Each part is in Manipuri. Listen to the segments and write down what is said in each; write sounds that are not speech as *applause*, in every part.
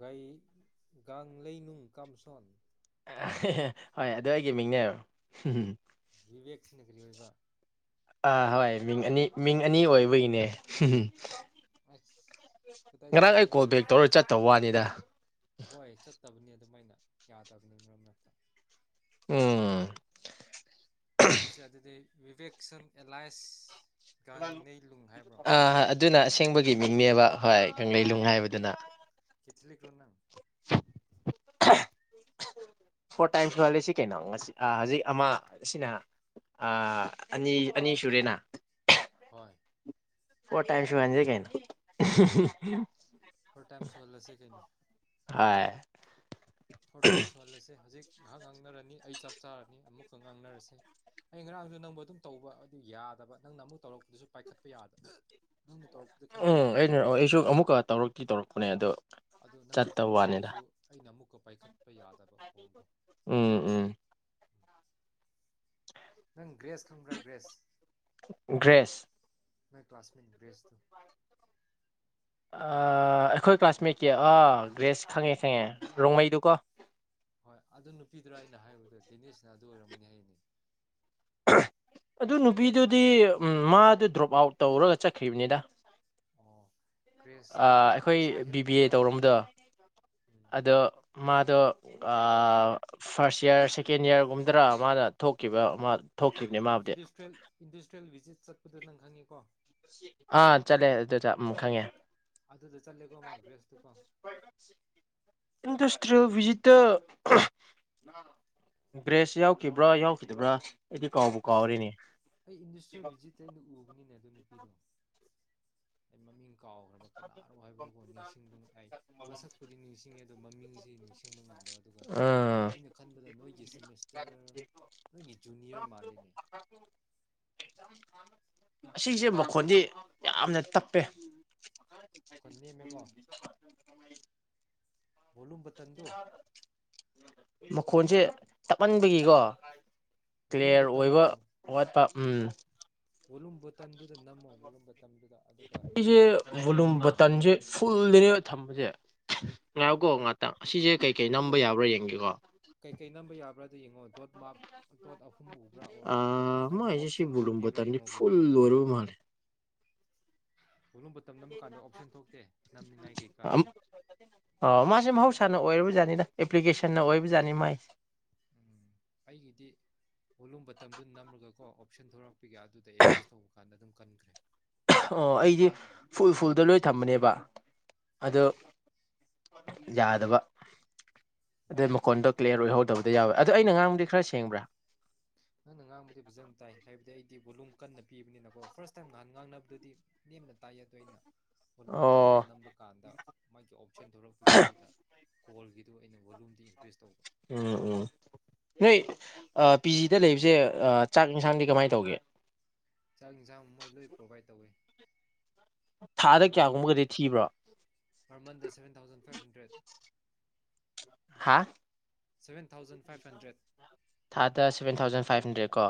ꯒꯥꯏ ꯒꯥꯡ ꯂꯩꯅꯨꯡ ꯀꯥꯝꯁꯣꯟ ꯑꯍꯦꯍꯦ ꯍꯣꯏ ꯑꯗꯣ ꯑꯩꯒꯤ ꯃꯤꯡꯅꯦꯝ ꯍꯝ ꯍꯝ ꯕꯤꯖꯦꯛ ꯁꯤꯅ ꯒꯔꯤ ꯑꯣꯏꯕ ꯑꯥ ꯍꯣꯏ ꯃꯤꯡ ꯑꯅꯤ ꯃꯤꯡ ꯑꯅꯤ ꯑꯣꯏꯕꯒꯤꯅꯦ ꯍꯨꯡ ꯍꯝ ꯑꯁ ꯉꯔꯥꯡ ꯀꯗꯥꯏꯗꯅꯣ ꯑꯩ ꯀꯣꯜ ꯅꯪꯒꯤ ꯕꯦꯛ ꯑꯦꯂꯥꯏ ꯇꯧꯔ ꯆꯠꯇ ꯋꯥꯅꯤꯗ ꯇꯕꯅꯦ ꯑꯗꯨꯃꯥꯏꯅ ꯌꯥꯗꯕꯅꯦ ꯃꯔꯛ ꯃꯔꯛꯇ ꯎꯝ ꯅꯪꯒꯤꯁꯦ ꯑꯗꯨꯗꯤ ꯕꯤꯕꯦꯛꯁꯟ ꯑꯦꯂꯥꯏꯟꯁ ꯑ ꯑꯗꯨꯅ ꯑꯁꯦꯡꯕꯒꯤ ꯃꯤꯡꯅꯦꯕ ꯍꯣꯏ ꯀꯪꯂꯩ ꯂꯅꯨꯡ ꯍꯥꯏꯕꯗꯨꯅ *unintelligible* ꯂꯣ ꯅꯪ꯫ ꯐꯣꯔ ꯇꯥꯏꯝꯁ ꯋꯥꯠꯂꯤꯁꯤ ꯀꯩꯅꯣ ꯁꯤ ꯍꯧꯖꯤꯛ ꯑꯃ ꯑꯥ ꯁꯤꯅ ꯑꯅꯤ ꯑꯅꯤ ꯁꯨꯔꯦꯅ꯫ ꯍꯣꯏ꯫ ꯐꯣꯔ ꯇꯥꯏꯝꯁ ꯁꯨꯍꯟꯖꯦ ꯀꯩꯅꯣ꯫ ꯐꯣꯔ ꯇꯥꯏꯝꯁ ꯁꯨꯍꯂꯁꯦ ꯀꯩꯅꯣ꯫ ꯍꯥꯏ ꯐꯣꯔ ꯇꯥꯏꯃꯁ ꯁꯨꯍꯜꯂꯁꯦ ꯍꯧꯖꯤꯛ ꯉꯥꯍꯥꯛ ꯉꯥꯡꯅꯔꯅꯤ ꯑꯩ ꯆꯥꯛ ꯆꯥꯔꯅꯤ ꯑꯃꯨꯛꯀ ꯉꯥꯡꯅꯔꯁꯦ ꯑꯩ ꯉꯔꯥꯡꯁꯨ ꯅꯪꯕꯨ ꯑꯗꯨꯝ ꯇꯧꯕ ꯑꯗꯨ ꯌꯥꯗꯕ ꯅꯪꯅ ꯑꯃꯨꯛ ꯇꯧꯔꯛꯄꯗꯨꯁꯨ ꯄꯥꯏꯈꯠꯄ ꯌꯥꯗꯕ ꯅꯪꯅ ꯇꯧꯔꯛꯄꯗ ꯎꯝ ꯈꯪꯉꯦꯕꯀꯣ ꯑꯩꯅ ꯑꯩꯁꯨ ꯑꯃꯨꯛꯀ ꯇꯧꯔꯛꯇꯤ ꯇꯧꯔꯛꯄꯅꯦ ꯑꯗꯣ ꯑꯗꯨ ꯅꯪꯅ ꯆꯠꯇꯕ ꯋꯥꯅꯤꯗ ꯇꯧꯔꯛꯄꯗꯨꯁꯨ ꯑꯩꯅ ꯑꯃꯨꯛ ꯀꯣ ꯄꯩꯈꯠꯄ ꯌꯥ ꯎꯝ ꯎꯝ꯫ ꯅꯪ ꯒ꯭ꯔꯦꯁ ꯈꯪꯕ꯭ꯔꯥ ꯒ꯭ꯔꯦꯁ꯫ ꯒ꯭ꯔꯦꯁ꯫ ꯅꯣꯢ ꯀ꯭ꯂꯥꯁꯃꯦꯠ ꯒ꯭ꯔꯦꯁ ꯇꯣ꯫ ꯑꯥ ꯑꯩꯈꯣꯏ ꯀ꯭ꯂꯥꯁꯃꯦꯠꯀꯤ ꯑꯥ ꯒ꯭ꯔꯦꯁ ꯈꯪꯉꯦ ꯈꯪꯉꯦ ꯔꯣꯡꯃꯩꯗꯣꯀꯣ꯫ ꯍꯣꯏ ꯑꯗꯨ ꯅꯨꯄꯤꯗꯔꯥ ꯑꯩꯅ ꯍꯥꯏꯕꯗꯨ꯫ ꯗꯦꯅꯤꯁꯅ ꯑꯗꯨ ꯑꯣꯏꯔꯝꯅꯤ ꯍꯥꯏꯅꯦ꯫ ꯑꯗꯨ ꯅꯨꯄꯤꯗꯨꯗꯤ ꯃꯥꯗꯨ ꯗ꯭ꯔꯣꯞ ꯑꯥꯎꯠ ꯇꯧꯔꯒ ꯆꯠꯈ꯭ꯔꯤꯕꯅꯤꯗ ꯑꯣ ꯒ꯭ꯔꯦꯁꯇꯨ ꯑꯩꯈꯣꯏ ꯃꯁꯥ ꯕꯤꯕꯤ ꯍꯦꯜꯗꯤ ꯈꯔ ꯑꯦ ꯑꯣꯏꯕ꯭ꯔꯥ ꯇꯧꯔꯝꯗꯣ ꯎꯝ ꯑꯗꯣ ꯃꯥꯗꯣ ꯑꯥ ꯐꯥꯔꯁ ꯏꯌꯥꯔ ꯁꯦꯀꯦꯟ ꯏꯌꯥꯔꯒꯨꯝꯗꯔ ꯃꯥꯅ ꯊꯣꯛꯈꯤꯕ ꯑꯃ ꯏꯟꯗꯤꯁꯇꯦꯜ ꯏꯟꯇꯤꯇꯔꯦꯜ ꯕꯤꯖꯤꯠ ꯆꯠꯄꯗꯨꯣ ꯅꯪ ꯈꯪꯉꯤꯀꯣ ꯑꯥ ꯆꯠꯂꯦ ꯑꯗꯨ ꯈꯪꯉꯦ꯫ ꯑꯗꯨꯗ ꯆꯠꯂꯦꯀꯣ ꯃꯥ ꯒ꯭ꯔꯦꯁꯇꯨꯀꯣ *unintelligible* ꯏꯟꯗꯤꯁ *unintelligible* ꯒ꯭ꯔꯦꯁ ꯌꯥꯎꯈꯤꯕ꯭ꯔꯥ ꯌꯥꯎꯈꯤꯗꯕ꯭ꯔꯥ ꯑꯩꯗꯤ ꯀꯥꯎꯕꯨ ꯑꯁ ꯀꯥꯎꯔꯤꯅꯦ ꯑꯩ ꯏꯟꯗꯤꯁꯇꯦꯜ ꯕꯤꯖꯤꯇ ꯑꯩꯅ ꯎꯕꯅꯤ ꯅꯦ꯫ ꯑꯗꯨ ꯅꯨꯄꯤꯗꯣ ꯑꯩ ꯃꯃꯤꯡ ꯀꯥꯎꯒ꯭ꯔꯕ ꯀꯅꯥꯅꯣ ꯍꯥꯏꯕꯗꯨꯀꯣ ꯅꯤꯡꯁꯤꯡꯕ ꯑꯩ ꯃꯁꯛꯄꯨꯗꯤ ꯅꯤꯡꯁꯤꯡꯉꯤ ꯑꯗꯣ ꯃꯃꯤꯡꯁꯤ ꯅꯤꯡꯁꯤꯡꯕ ꯉꯝꯗꯕ ꯑꯗꯨꯒ ꯎꯝ ꯑꯩꯅ ꯈꯟꯕꯗ ꯅꯣꯏꯒꯤ ꯁꯤꯃꯤꯁꯇꯔ ꯅꯣꯏꯒꯤ ꯖꯨꯅꯤꯌꯔ ꯃꯥꯂꯦ ꯑꯁꯤꯁꯦ ꯃꯈꯣꯟꯗꯤ ꯌꯥꯝꯅ ꯇꯞꯄꯦ꯫ ꯃꯈꯣꯟ ꯅꯦꯝꯃꯦꯀꯣ ꯕꯣꯂꯨꯝ ꯕꯇꯟꯗꯣ ꯃꯈꯣꯟꯁꯦ ꯇꯞꯃꯟꯕꯒꯤꯀꯣ ꯚꯣꯂꯨꯝ ꯀ꯭ꯂꯤꯌꯥꯔ ꯑꯣꯏꯕ ꯋꯥꯠꯄ ꯎꯝ꯫ ꯕꯣꯂꯨꯝ ꯕꯇꯝꯗꯨꯗ ꯅꯝꯃꯣ ꯕꯣꯂꯨꯝ ꯕ *unintelligible* ꯁꯤꯁꯦ ꯕꯣꯂꯨꯝ ꯕꯇꯟ ꯁꯦ ꯐꯨꯜꯗꯅꯦꯕ ꯊꯝꯕꯖꯦ ꯉꯥꯏꯀꯣ ꯑꯗꯨꯒ ꯉꯥꯛꯇꯪ ꯑꯁꯤꯁꯦ ꯀꯩꯀꯩ ꯑꯗꯨꯒ ꯅꯝꯕ ꯌꯥꯕ꯭ꯔꯥ ꯌꯦꯡꯒꯦꯀꯣ ꯀꯩꯀꯩ ꯅꯝꯕ ꯌꯥꯕ꯭ꯔꯥꯗꯣ ꯌꯦꯡꯉꯣ ꯗꯣꯠ ꯃꯥꯔꯛ ꯗꯣꯠ ꯑꯍꯨꯝ ꯎꯕ꯭ꯔꯥ ꯑ ꯑꯣꯔ ꯃꯥꯒꯤ ꯃꯥꯏꯁꯦ ꯁꯤ ꯑꯣꯞꯁꯟ ꯕꯨꯂꯨꯝ ꯊꯣꯛꯄꯤꯕ꯭ꯔꯥ ꯕꯇꯜꯗꯤ ꯌꯦꯡꯉꯣ ꯐꯨꯜ ꯚꯣꯂꯨꯝ ꯕꯇꯝꯗ ꯑꯣꯏꯕ ꯃꯥꯜꯂꯦ ꯕꯣꯂꯨꯝ ꯕꯥꯇꯟ ꯅꯝꯕꯀꯥꯟꯗ ꯑꯣꯞꯁꯟ ꯊꯣꯛꯇꯦ ꯅꯝꯅꯤꯡꯉꯥꯏ ꯀꯩꯀꯥ ꯑꯗꯨꯝ ꯑꯣ ꯃꯥꯁꯦ ꯃꯍꯧꯁꯥꯅ ꯑꯣꯏꯔꯕꯖꯥꯅꯤꯗ ꯑꯦꯄ꯭ꯂꯤꯀꯦꯁꯟꯅ ꯑꯣꯏꯕꯖꯥꯅꯤ ꯃꯥꯏ ꯎꯝ ꯑꯩꯒꯤꯗꯤ ꯕꯣꯂꯨꯝ ꯕꯇꯝꯗꯨ ꯅꯝꯂꯒꯀꯣ *inaudible* ꯑꯗꯨꯗ ꯑꯦꯗꯖꯁ ꯇꯧꯕ ꯀꯥꯟꯗ ꯑꯗꯨꯝ ꯀꯟꯈ꯭ꯔꯦ ꯑꯣ ꯑꯩꯗꯤ ꯐꯨꯜ ꯐꯨꯜꯗ ꯂꯣꯏ ꯊꯝꯕꯅꯦꯕ ꯑꯗꯣ ꯎꯝ ꯌꯥꯗꯕ ꯑꯗꯩ ꯃꯈꯣꯟꯗꯣ ꯀ꯭ꯂꯤꯌꯥꯔ ꯑꯣꯏꯍꯧꯗꯕꯗꯤ ꯌꯥꯎꯋꯦ ꯑꯗꯣ ꯑꯩꯅ ꯉꯥꯡꯕꯗꯤ ꯈꯔ ꯁꯦꯡꯕ꯭ꯔꯥ ꯅꯪꯅ ꯉꯥꯡꯕꯗꯤ ꯐꯖꯅ ꯇꯥꯏ ꯍꯥꯏꯕꯗꯤ ꯑꯩꯗꯤ ꯕꯣꯂꯨꯝ ꯀꯟꯅ ꯄꯤꯕꯅꯤꯅꯀꯣ ꯐꯥꯔꯁ ꯇꯥꯏꯝ ꯅꯍꯥꯟ ꯉꯥꯡꯅꯕꯗꯗꯤ ꯅꯦꯝꯅ ꯇꯥꯏꯌꯦ ꯑꯗꯨ ꯑꯩꯅ ꯕꯣꯂꯨꯝ ꯕꯇꯝꯗ ꯑꯣ ꯅꯝꯕꯀꯥꯟꯗ ꯃꯥꯒꯤ ꯑꯣꯞꯁꯟ ꯊꯣꯛꯂꯛꯄꯒꯤ ꯑꯗꯨꯗ ꯀꯣꯜꯒꯤꯗꯨ ꯑꯩꯅ ꯕꯣꯂꯨꯝꯗꯤ ꯏꯟꯀ꯭ꯔꯤꯁ ꯇꯧ ꯎꯝ ꯎꯝ ꯅꯣꯏ ꯄꯤꯖꯤꯗ ꯂꯩꯕꯁꯦ ꯆꯥꯛ ꯏꯟꯁꯥꯡꯗꯤ ꯀꯃꯥꯏꯅ ꯇꯧꯒꯦ ꯆꯥꯛ ꯌꯦꯟꯁꯥꯡ ꯃꯣꯏ ꯂꯣꯏ ꯄ꯭ꯔꯣꯚꯥꯏꯠ ꯇꯧꯋꯤ ꯄꯔ ꯊꯥꯗ ꯃꯟꯗ ꯀꯌꯥꯒꯨꯝꯕꯒꯗꯤ ꯊꯤꯕ꯭ꯔꯣ ꯄꯔ ꯃꯟꯗ ꯁꯚꯦꯟ ꯊꯥꯎꯖꯟ ꯐꯥꯏꯚ ꯍꯟꯗ꯭ꯔꯦꯠ ꯍꯥꯥ ꯁꯚꯦꯟ ꯊꯥꯎꯖꯟ ꯐꯥꯏꯚ ꯍꯟꯗ꯭ꯔꯦꯠ ꯊꯥꯗ ꯁꯦꯚꯦꯟ ꯊꯥꯎꯖꯟ ꯐꯥꯏꯚ ꯍꯟꯗ꯭ꯔꯦꯠ ꯀꯣ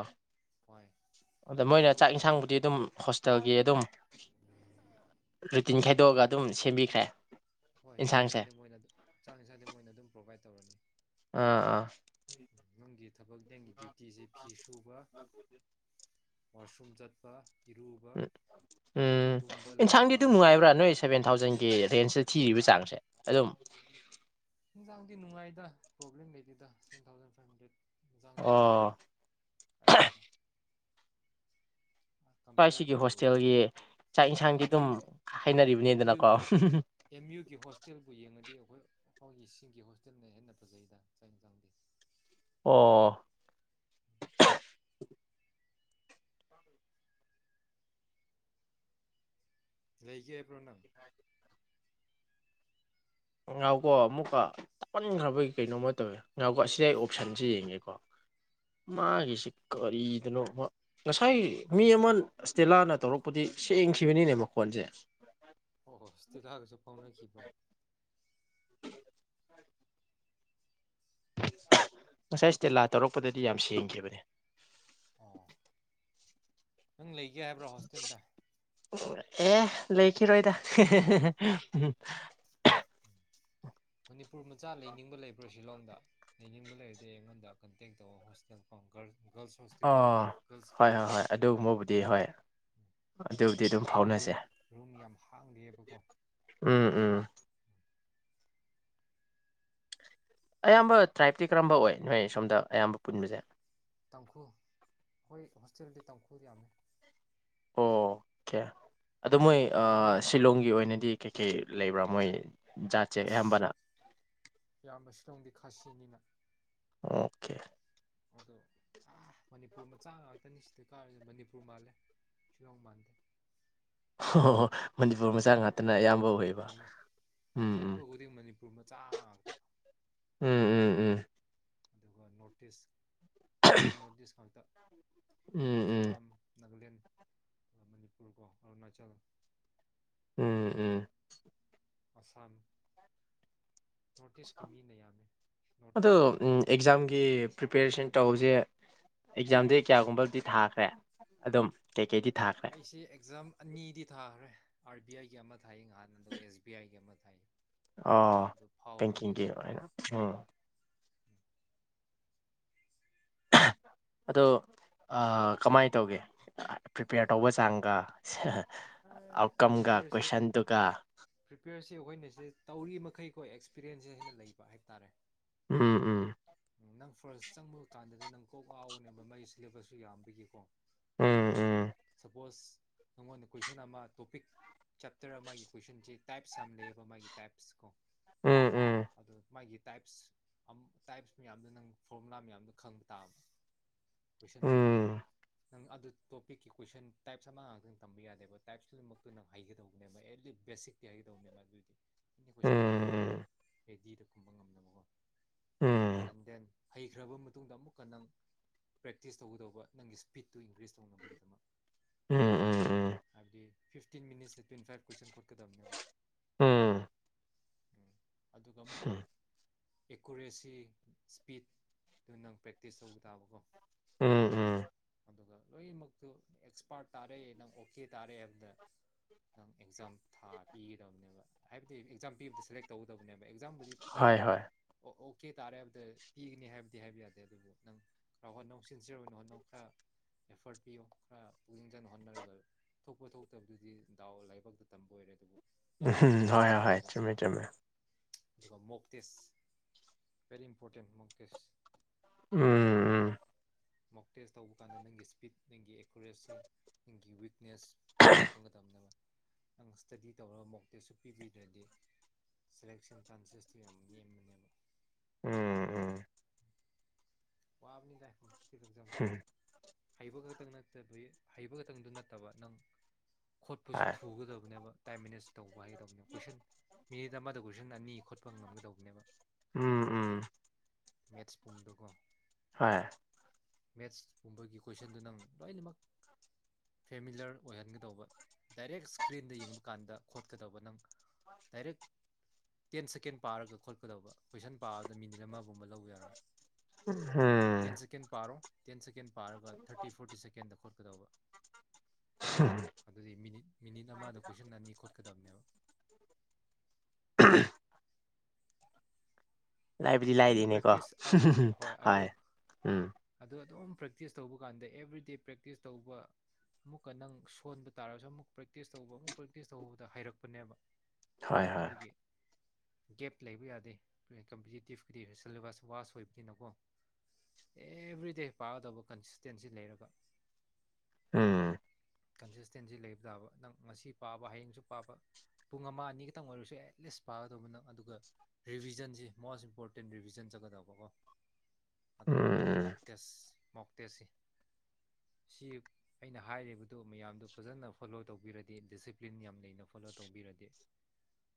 ꯍꯣꯏ ꯑꯗ ꯃꯣꯏꯅ ꯆꯥꯛ ꯌꯦꯟꯁꯥꯡꯕꯨꯗꯤ ꯑꯗꯨꯝ ꯇꯒꯤ ꯑꯗꯨꯝ ꯔꯨꯇꯤꯟ ꯈꯥꯏꯗꯣꯛꯑꯒ ꯑꯗꯨꯝ ꯁꯦꯝꯕꯤꯈ꯭ꯔꯦ ꯍꯣꯏ ꯏꯟꯁꯥꯡꯁꯦ *unintelligible* *unintelligible* ꯃꯣꯏꯅ ꯑꯗꯨꯝ ꯄꯣꯚꯥꯏꯠ ꯑꯥ ꯑꯥ *unintelligible* ꯅꯪꯒꯤ ꯊꯕꯛ *unintelligible* ꯗ꯭ꯌꯨꯇꯤꯁꯦ ꯐꯤ ꯁꯨꯕ ꯃꯁꯔꯨꯝ ꯆꯠꯄ ꯏꯔꯨꯕ ꯎꯝ ꯎꯝ ꯇꯨꯝꯕ ꯂꯥꯏꯔꯤꯛ ꯑꯦꯟꯁꯥꯡꯗꯤ ꯑꯗꯨꯝ ꯄꯥꯕ ꯅꯨꯡꯉꯥꯏꯕ꯭ꯔꯥ ꯅꯣꯏ ꯁꯚꯦꯟ ꯊꯥꯎꯖꯟꯒꯤ ꯔꯦꯟꯖ ꯊꯤꯔꯤꯕ ꯆꯥꯡꯁꯦ ꯑꯗꯨꯝ *unintelligible* ꯖꯥꯡꯗꯤ ꯅꯨꯡꯉꯥꯏꯗ ꯄ꯭ꯔꯣꯕ꯭ꯂꯦꯝ ꯂꯩꯦꯗ ꯁꯚꯦꯟ ꯊꯥꯎꯖꯟ ꯐꯥꯏꯚ ꯍꯟꯗ꯭ꯔꯦꯠ *unintelligible* ꯑꯗꯨꯝ ꯑꯣ ꯀꯥꯏꯗꯦꯗ ꯀꯝꯄꯤꯌꯔ ꯁ꯭ꯋꯥꯏꯁꯤꯒꯤ ꯇꯨ ꯍꯣꯁꯇꯦꯜꯒꯤ ꯆꯥꯛ ꯏꯟꯁꯥꯡꯒꯤ ꯑꯦꯝ ꯑꯗꯨꯝ ꯌꯨꯒꯤ ꯑꯦꯝ ꯌꯨ ꯍꯥꯏꯅꯔꯤꯕꯅꯤꯗꯅꯀꯣ *unintelligible* ꯑꯈꯣꯏꯒꯤꯁꯤꯡꯒꯤ ꯍꯣꯁꯇꯦꯜꯅ ꯍꯦꯟꯅ ꯐꯖꯩꯗ ꯆꯥꯛ ꯏꯟꯁꯥꯡꯗꯦ ꯑꯣ ꯂꯩꯀꯦ ꯍꯥꯏꯄꯔꯣ ꯅꯪ ꯉꯥꯎꯀꯣ ꯑꯃꯨꯛꯀ ꯄꯟꯈ꯭ꯔꯕꯒꯤ ꯀꯩꯅꯣꯝꯃ ꯇꯧꯋꯦ ꯉꯥꯎꯀꯣ ꯑꯁꯤꯗꯩ ꯑꯣꯞꯁꯟꯁꯤ ꯌꯦꯡꯉꯦꯀꯣ ꯃꯥꯒꯤꯁꯤ ꯀꯔꯤꯗꯅꯣ ꯉꯁꯥꯏ ꯃꯤ ꯑꯃ ꯏꯁꯇꯦꯂꯥꯅ ꯇꯧꯔꯛꯄꯗꯤ ꯁꯦꯡꯈꯤꯕꯅꯤꯅꯦ ꯃꯈꯣꯟꯁꯦ ꯑꯣ ꯁꯇꯤꯅꯒꯁꯨ ꯐꯥꯎꯅꯈꯤꯕꯣ *inaudible* ꯉꯁꯥꯏ ꯏꯁꯇꯦꯂꯥ ꯇꯧꯔꯛꯄꯗꯗꯤ ꯌꯥꯝ ꯁꯦꯡꯈꯤꯕꯅꯦ ꯑꯣ ꯅꯪ ꯂꯩꯒꯦ ꯍꯥꯏꯕ꯭ꯔꯣ ꯍꯣꯁꯇꯦꯜꯗ ꯑꯦ ꯂꯩꯈꯤꯔꯣꯏꯗ ꯃꯅꯤꯄꯨꯔ ꯃꯆꯥ ꯂꯩꯅꯤꯡꯕ ꯂꯩꯕ꯭ꯔꯣ ꯁꯤꯂꯣꯡꯗ ꯂꯩꯅꯤꯡꯕ ꯂꯩꯔꯗꯤ ꯑꯩꯉꯣꯟꯗ ꯀꯟꯇꯦꯛ ꯇꯧꯑꯣ ꯍꯣꯁꯇꯦꯜ ꯐꯪ ꯑ ꯍꯣꯏ ꯍꯣꯏ ꯍꯣꯏ ꯅꯨꯄꯤꯒꯤ ꯑꯗꯨꯒꯨꯝꯕꯕꯨꯗꯤ ꯍꯣꯏ ꯑꯗꯨꯕꯨꯗꯤ ꯑꯗꯨꯝ ꯍꯧꯖꯤꯛ ꯐꯥꯎꯅꯁꯦ ꯔꯨꯝ ꯔꯨꯝ ꯌꯥꯝ ꯍꯥꯡꯗꯦꯕꯀꯣ ꯎꯝ ꯎꯝ ꯑꯌꯥꯝꯕ ꯇ꯭ꯔꯥꯏꯞꯇꯤ ꯀꯔꯝꯕ ꯑꯣꯏ ꯅꯣꯏ ꯁꯣꯝꯗ ꯑꯌꯥꯝꯕ ꯄꯨꯟꯕꯁꯦ ꯇꯥꯡꯈꯨꯜ ꯍꯣꯏ ꯍꯣꯁꯇꯦꯜꯗꯤ ꯇꯥꯡꯈꯨꯜ ꯌꯥꯝꯃꯦ ꯑꯣ ꯀꯦ ꯑꯗꯣ ꯃꯣꯏ ꯑꯥ ꯔꯣꯡꯃꯩ ꯁꯤꯂꯣꯡꯒꯤ ꯑꯣꯏꯅꯗꯤ ꯀꯩ ꯀꯦ ꯂꯩꯕ꯭ꯔꯥ ꯃꯣꯏ ꯖꯥꯠꯁꯦ ꯑꯁ ꯑꯌꯥꯝꯕꯅ ꯌꯥꯝꯅ ꯁꯤꯂꯣꯡꯗꯤ ꯈꯥꯁꯤꯅꯤꯅ ꯑꯣꯀꯦ ꯑꯗꯣ ꯃꯅꯤꯄꯨꯔ ꯃꯆꯥ ꯉꯥꯛꯇꯅꯤ ꯁꯤꯗ ꯀꯥꯔꯁꯦ ꯃꯅꯤꯄꯨꯔ ꯃꯥꯜꯂꯦ ꯁꯤꯂꯣꯪ ꯃꯥꯟꯗꯦ ꯑꯣ ꯍ ꯃꯅꯤꯄꯨꯔ ꯃꯆꯥ ꯉꯥꯛꯇꯅ ꯑꯌꯥꯝꯕ ꯑꯣꯏꯕ ꯃꯅꯤ ꯎꯝ ꯎ ꯆꯠꯄ ꯈꯨꯗꯤꯡ ꯃꯅꯤꯄꯨꯔ ꯃꯆꯥ ꯉꯥꯛꯇ ꯎꯝ ꯎꯝ ꯎꯝ ꯑꯗꯨꯒ ꯅꯣꯇꯤꯁ ꯑꯌꯥꯝꯕ ꯅꯣꯔꯠ ꯏꯁ ꯉꯥꯛꯇ ꯎꯝ ꯎꯝ ꯃꯤꯖꯣꯔꯥꯝ ꯅꯥꯒꯥꯂꯦꯟ ꯃꯅꯤꯄꯨꯔ ꯀꯣ ꯑꯔꯨꯅꯥꯆꯜ ꯎꯝ ꯎꯝ ꯑꯁꯥꯝ ꯅꯣꯔꯠ ꯏꯁꯀꯤ ꯃꯤꯅ ꯌꯥꯝꯃꯦ ꯅꯣꯔꯠ ꯑꯗꯣ ꯏꯁ ꯑꯣꯏꯕꯅꯤꯅ ꯑꯦꯛꯖꯥꯝꯒꯤ ꯄ꯭ꯔꯤꯄꯦꯔꯦꯁꯟ ꯇꯧꯕꯁꯦ ꯑꯦꯛꯖꯥꯝꯗ ꯀꯌꯥꯒꯨꯝꯕꯕꯨꯗꯤ ꯊꯥꯈ꯭ꯔꯦ ꯑꯗꯨꯝ ꯀꯩꯀꯩꯗꯤ ꯊꯥꯈ꯭ꯔꯦ ꯑꯩꯁꯦ ꯑꯦꯛꯖꯥꯝ ꯑꯅꯤꯗꯤ ꯊꯥꯈ꯭ꯔꯦ ꯑꯥꯔ ꯕꯤ ꯑꯥꯏꯒꯤ ꯑꯃ ꯊꯥꯏꯌꯦ ꯅꯍꯥꯟ ꯑꯗꯨꯒ ꯑꯦꯁ ꯕꯤ ꯑꯥꯏꯒꯤ ꯑꯃ ꯊꯥꯏꯌꯦ ꯑ ꯕꯦꯪꯀꯤꯪꯒꯤ ꯑꯣꯏꯅꯥ ꯑꯗꯣ ꯑꯥ ꯀꯃꯥꯏꯅ ꯇꯧꯒꯦ ꯄ꯭ꯔꯤꯄꯦꯌꯔ ꯇꯧꯕ ꯆꯥꯡꯒ ꯑꯥꯎꯠꯀꯝꯒ ꯀꯣꯏꯁꯟꯗꯨꯒ ꯑꯩꯈꯣꯏꯅ ꯁꯦ ꯇꯧꯔꯤ ꯃꯈꯩ ꯀꯣ ꯑꯦꯁ ꯄꯤꯔꯤꯑꯦꯟꯁꯦ ꯍꯦꯟꯅ ꯂꯩꯕ ꯍꯥꯏꯇꯥꯔꯦ ꯎꯝ ꯎꯝ ꯅꯪꯁꯨ ꯐꯔꯁ ꯆꯪꯕ ꯀꯥꯟꯗꯗꯤ ꯅꯪ ꯀꯣꯛ ꯉꯥꯎꯒꯅꯦꯕ ꯃꯥꯒꯤ ꯁꯤꯂꯦꯕꯁꯁꯨ ꯌꯥꯝꯕꯒꯤꯀꯣ ꯎꯝ ꯑꯗꯨꯒ ꯎꯝ ꯁꯄꯣꯁ ꯅꯥꯉꯣꯟꯗꯥ ꯀꯣꯏꯁꯟ ꯑꯃ ꯇꯣꯄꯤꯛ ꯆꯦꯞꯇ꯭ꯔ ꯑꯃꯒꯤ ꯀꯣꯏꯁꯟꯁꯦ ꯇꯥꯏꯞꯁ ꯌꯥꯝ ꯂꯩꯌꯦꯕ ꯃꯥꯒꯤ ꯇꯥꯏꯞꯁ ꯀꯣ꯫ ꯎꯝ ꯑꯗꯣ ꯃꯥꯒꯤ ꯇꯥꯏꯞꯁ ꯇꯥꯏꯞꯁ ꯃꯌꯥꯝꯗꯣ ꯅꯪ ꯐꯣꯔꯃꯨꯂꯥ ꯃꯌꯥꯝꯗꯣ ꯈꯪ ꯇꯥꯕ꯫ *unintelligible* ꯎꯝ ꯅꯪ ꯑꯗꯨ ꯇꯣꯄꯤꯛꯀꯤ ꯀꯣꯏꯁꯟ ꯇꯥꯏꯞꯁ ꯑꯃ ꯉꯥꯛꯇꯪ ꯇꯝꯕ ꯌꯥꯗꯦꯕ꯫ ꯇꯥꯏꯄ꯭ꯁ ꯈꯨꯗꯤꯡꯃꯛꯇꯣ ꯅꯪ ꯍꯩꯒꯗꯧꯕꯅꯦꯕ *unintelligible* ꯕꯦꯁꯤꯛꯇꯤ ꯍꯩꯒꯗꯧꯅꯦꯕ ꯑꯗꯨꯗꯤ꯫ ꯎꯝ ꯀꯣꯏꯁꯟ *unintelligible* ꯔꯦꯗꯤꯗ ꯈꯨꯝꯕ ꯉꯝꯅꯕꯀꯣ꯫ ꯎꯝ ꯎꯝ *unintelligible* ꯍꯩꯈ꯭ꯔꯕ ꯃꯇꯨꯡꯗ ꯑꯃꯨꯛꯀ ꯅꯪ ꯄ꯭ꯔꯦꯛꯇꯤꯁ ꯇꯧꯒꯗꯧꯕ ꯅꯪꯒꯤ ꯁ꯭ꯄꯤꯠꯇꯨ ꯏꯟꯀ꯭ꯔꯤꯖ ꯇꯧꯅꯕꯒꯤꯗꯃꯛ꯫ ꯎꯝ ꯎꯝ ꯎ- ꯐꯤꯕꯇꯤꯟ ꯃꯤꯅꯤꯁꯇ ꯇ꯭ꯋꯦꯟꯇꯤ ꯐꯥꯏꯕ ꯀꯣꯏꯁꯟ ꯈꯣꯠꯀꯗꯕꯅꯦꯕ꯫ ꯎꯝ꯫ ꯎꯝ ꯑꯗꯨꯒ ꯑꯃꯨꯛ꯫ ꯑꯦꯀꯨꯔꯦꯁꯤ ꯁ꯭ꯄꯤꯠꯇꯨ ꯅꯪ ꯄ꯭ꯔꯦꯛꯇꯤꯁ ꯇꯧꯕ ꯇꯥꯕꯀꯣ꯫ ꯎꯝ ꯎꯝ꯫ ꯑꯗꯨꯒ ꯂꯣꯏꯅꯃꯛꯇꯨ ꯑꯦꯛꯁꯄꯥꯔꯠ ꯇꯥꯔꯑꯦ ꯅꯪ ꯀꯦ ꯇꯥꯔꯦ ꯍꯥꯏꯕꯗ ꯑꯦꯛꯖꯥꯝ ꯊꯥꯕꯤꯒꯗꯕꯅꯦꯕ ꯍꯥꯏꯕꯗꯤ ꯑꯦꯛꯖꯥꯝ ꯄꯤꯕꯗ ꯁꯦꯂꯦꯛ ꯇꯧꯒꯗꯕꯅꯦꯕ꯫ ꯑꯦꯛꯖꯥꯝꯕꯨꯗꯤ ꯄꯤ- ꯍꯣꯏ ꯍꯣꯏ ꯑꯣ ꯀꯦ ꯇꯥꯔꯦ ꯍꯥꯏꯕꯗ ꯄꯤꯒꯅꯤ ꯍꯥꯏꯕꯗꯤ ꯍꯥꯏꯕ ꯌꯥꯗꯦ ꯑꯗꯨꯕꯨ ꯅꯪ ꯈꯔ ꯍꯣꯠꯅꯧ ꯁꯤꯟꯁꯤꯌ꯭ꯔ ꯑꯣꯏꯅ ꯍꯣꯠꯅꯧ ꯈꯔ ꯑꯦꯐ꯭ꯔꯠ ꯄꯤꯌꯨ ꯈꯔ ꯄꯨꯛꯅꯤꯡ ꯆꯪꯅ ꯍꯣꯠꯅꯔꯒ ꯊꯣꯛꯄ ꯊꯣꯛꯇꯕꯗꯨꯗꯤ ꯗꯥꯎ ꯂꯥꯏꯕꯛꯇ ꯇꯝꯕ ꯑꯣꯏꯔꯦ ꯑꯗꯨꯕꯨ꯫ ꯎꯝ ꯑꯗꯨꯃꯥꯏꯅ ꯍꯣꯏ ꯍꯣꯏ ꯄꯤꯒꯗꯕꯅꯦꯕ ꯆꯨꯝꯃꯦ ꯑꯦꯛꯖꯥꯝꯗꯤꯀꯣ ꯆꯨꯝꯃꯦ꯫ Mock test very important mock test. ꯎꯝ ꯎꯝ꯫ ꯃꯣꯛ ꯇꯦꯁ ꯇꯧꯕ ꯀꯥꯟꯗ ꯅꯪꯒꯤ ꯁ꯭ꯄꯤꯠ ꯅꯪꯒꯤ ꯑꯦꯀꯨꯔꯦꯁꯤ ꯅꯪꯒꯤ ꯋꯤꯛꯅꯦꯁ ꯑꯗꯨ ꯈꯪꯒꯗꯕꯅꯦ ꯅꯪ ꯁ꯭ꯇꯗꯤ ꯇꯧꯔꯒ ꯃꯣꯛ ꯇꯦꯁꯁꯨ ꯄꯤꯕꯤꯗ꯭ꯔꯗꯤ ꯁꯦꯂꯦꯛꯁꯟ ꯆꯥꯟꯁꯦꯁꯇꯨ ꯌꯥꯝ ꯅꯦꯝꯕꯅꯦꯕ꯫ ꯎꯝ ꯎꯝ꯫ ꯋꯥꯕꯅꯤꯗ꯫ ꯑꯦꯛꯖꯥꯝꯁꯦ ꯍꯨ ꯍꯩꯕ ꯈꯛꯇꯪ ꯅꯠꯇꯕꯤ ꯍꯩꯕ ꯈꯛꯇꯪꯗꯨ ꯅꯠꯇꯕ ꯅꯪ ꯈꯣꯠꯄꯁꯨ ꯍꯣꯏ ꯊꯨꯒꯗꯕꯅꯦꯕ꯫ ꯇꯥꯏꯝꯃꯦꯅꯦꯁ ꯇꯧꯕ ꯍꯥꯏꯗꯧꯅꯦꯕ ꯀꯣꯏꯁꯟ ꯑꯃꯗ ꯀꯣꯏꯁꯟ ꯑꯅꯤ ꯈꯣꯠꯄ ꯉꯝꯒꯗꯧꯕꯅꯦꯕ꯫ ꯎꯝ ꯎꯝ꯫ ꯃꯦꯠꯁ ꯄꯨꯝꯗꯨꯒꯣ꯫ ꯍꯣꯏ꯫ ꯃꯦꯠꯁꯀꯨꯝꯕꯒꯤ ꯀꯣꯏꯁꯟꯗꯨ ꯅꯪ ꯂꯣꯏꯅꯃꯛ ꯐꯦꯃꯤꯂ꯭ꯔ ꯑꯣꯏꯍꯟꯒꯗꯧꯕ ꯗꯥꯏꯔꯦꯛ ꯁꯀ꯭ꯔꯤꯟꯗ ꯌꯦꯡꯕ ꯀꯥꯟꯗ ꯈꯣꯠꯀꯗꯧꯕ ꯅꯪ ꯗꯥꯏꯔꯦꯛ ꯇꯦꯟ ꯁꯦꯀꯦꯟ ꯄꯥꯔꯒ ꯈꯣꯠꯀꯗꯕ ꯀꯣꯏꯁꯟ ꯄꯥꯕꯗ ꯃꯤꯅꯤꯠ ꯑꯃꯒꯨꯝꯕ ꯂꯧꯕ ꯌꯥꯔꯣꯏ꯫ ꯇꯦꯟ ꯁꯦꯀꯦꯟ ꯄꯥꯔꯣ *unintelligible* ꯇꯦꯟ ꯁꯦꯀꯦꯟ꯫ ꯄꯥꯔꯒ ꯊꯥꯔꯇꯤ ꯐꯣꯔꯇꯤ ꯁꯦꯀꯦꯟꯗ ꯈꯣꯠꯀꯗꯧꯕ ꯑꯗꯨꯗꯤ ꯃꯤꯅꯤꯠ ꯃꯤꯅꯤꯠ ꯑꯃꯗ ꯀꯣꯏꯁꯟ ꯑꯅꯤ ꯈꯣꯠꯀꯗꯕꯅꯦꯕ *inaudible* ꯂꯥꯏꯕꯗꯤ ꯑꯗꯣ ꯑꯗꯨꯝ ꯂꯥꯏꯗꯤꯅꯦꯀꯣ ꯄ꯭ꯔꯦꯛꯇꯤꯁ ꯍꯣꯏ ꯎꯝ ꯑꯗꯨ ꯑꯗꯨꯝ ꯄ꯭ꯔꯦꯛꯇꯤꯁ ꯇꯧꯕ ꯀꯥꯟꯗ ꯑꯦꯕ꯭ꯔꯤꯗꯦ ꯄ꯭ꯔꯦꯛꯇꯤꯁ ꯇꯧꯕ ꯑꯃꯨꯛꯀ ꯅꯪ ꯁꯣꯟꯕ ꯇꯥꯔꯁꯨ ꯑꯃꯨꯛ ꯄ꯭ꯔꯦꯛꯇꯤꯁ ꯇꯧꯕ ꯑꯃꯨꯛ ꯄ꯭ꯔꯦꯛꯇꯤꯁ ꯇꯧꯕꯗ ꯍꯩꯔꯛꯄꯅꯦꯕ ꯍꯣꯏ ꯍꯣꯏ ꯑꯗꯒꯤ ꯒꯦꯞ ꯂꯩꯕ ꯌꯥꯗꯦ ꯇꯤꯐ ꯁꯤꯂꯦꯕꯁ ꯚꯥꯁ ꯑꯣꯏꯕꯅꯤꯅꯀꯣ ꯑꯦꯕ꯭ꯔꯤꯗꯦ ꯄꯥꯒꯗꯧꯕ ꯀꯟꯁꯤꯁꯇꯦꯟꯁꯤ ꯂꯩꯔꯒ ꯎꯝ ꯀꯟꯁꯤꯁꯇꯦꯟꯁꯤ ꯂꯩꯕ ꯇꯥꯕ ꯅꯪ ꯉꯁꯤ ꯄꯥꯕ ꯍꯌꯦꯡꯁꯨ ꯄꯥꯕ ꯄꯨꯡ ꯑꯃ ꯑꯅꯤ ꯈꯛꯇꯪ ꯑꯣꯏꯔꯁꯨ ꯑꯦꯠꯂꯤꯁ ꯄꯥꯒꯗꯧꯕ ꯅꯪ ꯑꯗꯨꯒ ꯔꯤꯚꯤꯖꯟꯁꯤ ꯃꯣꯁ ꯏꯝꯄꯣꯔꯇꯦꯟ ꯔꯤꯚꯤꯖꯟ ꯆꯠꯒꯗꯧꯕꯀꯣ ꯎꯝ ꯎꯝ ꯃꯣꯛ ꯇꯦꯁꯁꯤ ꯁꯤ ꯑꯩꯅ ꯍꯥꯏꯔꯤꯕ ꯑꯗꯨ ꯃꯌꯥꯝꯗꯨ ꯐꯖꯅ ꯐꯣꯂꯣ ꯇꯧꯕꯤꯔꯗꯤ ꯗꯤꯁꯤꯄ꯭ꯂꯤꯟ ꯌꯥꯝ ꯂꯩꯅ ꯐꯣꯂꯣ ꯇꯧꯕꯤꯔꯗꯤ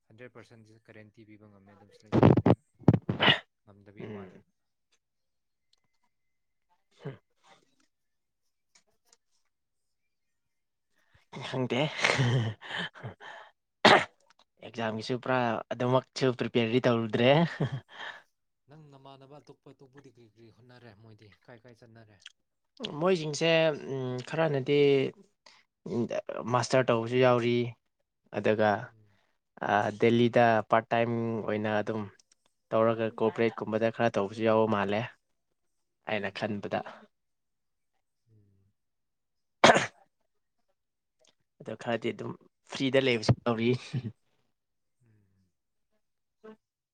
ꯍꯟꯗ꯭ꯔꯦꯠ ꯄꯥꯔꯁꯦꯟꯁ ꯒꯔꯦꯟꯇꯤ ꯄꯤꯕ ꯉꯝꯃꯦ ꯑꯗꯨꯝ ꯁꯦꯂꯦꯛ ꯇꯧꯔꯅꯤꯅ ꯉꯝꯗꯕꯤꯒꯤ ꯎꯝ ꯋꯥꯅꯦꯕ ꯎꯝ ꯈꯪꯗꯦ ꯑꯦꯛꯖꯥꯝꯒꯤꯁꯨ ꯄꯨꯔꯥ ꯑꯗꯨꯃꯛꯁꯨ ꯄ꯭ꯔꯤꯄꯦꯌꯔꯗꯤ ꯇꯧꯔꯨꯗ꯭ꯔꯦ ꯅꯪ ꯅꯃꯥꯟꯅꯕ ꯑꯇꯣꯞꯄ ꯑꯇꯣꯞꯄ ꯗꯤ ꯀ꯭ꯔꯤ ꯀ꯭ꯔꯤ ꯍꯣꯠꯅꯔꯦ ꯃꯣꯏꯗꯤ ꯀꯥꯏ ꯀꯥꯏ ꯆꯠꯅꯔꯦ ꯃꯣꯏꯖꯤꯡꯖꯦ ꯎꯝ ꯈꯔꯅꯗꯤ ꯃꯥꯁꯇꯔ ꯇꯧꯕꯁꯨ ꯌꯥꯎꯔꯤ ꯑꯗꯨꯒ ꯎꯝ ꯗꯦꯜꯂꯤꯗ ꯄꯥꯔꯠ ꯇꯥꯏꯝ ꯑꯣꯏꯅ ꯑꯗꯨꯝ ꯇꯧꯔꯒ ꯀꯣꯑꯣꯄꯔꯦꯠꯀꯨꯝꯕꯗ ꯈꯔ ꯇꯧꯕꯁꯨ ꯌꯥꯎꯕ ꯃꯥꯜꯂꯦ ꯑꯩꯅ ꯎꯝ ꯈꯟꯕꯗ ꯎꯝ *inaudible* ꯑꯗꯣ ꯈꯔꯗꯤ ꯑꯗꯨꯝ ꯐ꯭ꯔꯤꯗ ꯂꯩꯕꯁꯨ ꯌꯥꯎꯔꯤ ꯎꯝ